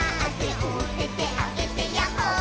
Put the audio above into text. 「おててあげてヤッホー」